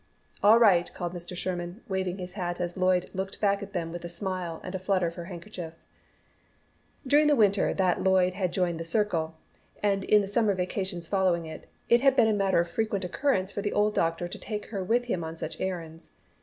"All right," called Mr. Sherman, waving his hat as Lloyd looked back at them with a smile and a flutter of her handkerchief. During the winter that Lloyd had joined the Circle, and in the summer vacations following, it had been a matter of frequent occurrence for the old doctor to take her with him on such errands.